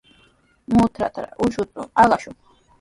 Mutrkatraw uchuta aqashun.